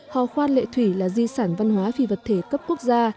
hò khoan lệ thủy là di sản văn hóa phi vật thể cấp quốc gia